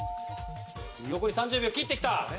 残り３０秒切ってきた。